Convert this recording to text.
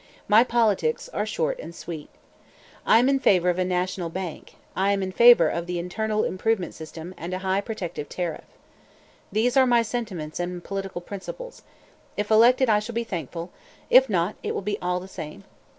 "My politics are short and sweet. "I am in favor of a national bank; am in favor of the internal improvement system, and a high protective tariff. "These are my sentiments and political principles. If elected, I shall be thankful; if not, it will be all the same."